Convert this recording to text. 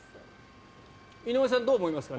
井上さんはどう思いますかね？